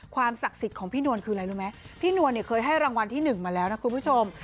ศักดิ์สิทธิ์ของพี่นวลคืออะไรรู้ไหมพี่นวลเนี่ยเคยให้รางวัลที่๑มาแล้วนะคุณผู้ชม